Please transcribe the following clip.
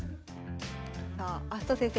さあ明日斗先生